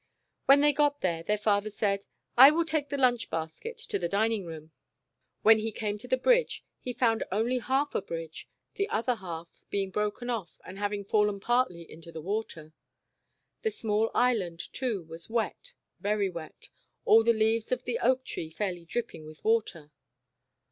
When they got there, their father said : "I will take the lunch basket to the dining room." When 222 The Disobedient Island. he came to the bridge, he found only half a bridge, the other half being broken off, and having fallen partly into the water. The small Island, too, was wet, very wet, all the leaves of the oak tree fairly dripping with water.